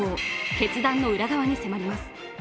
決断の裏側に迫ります。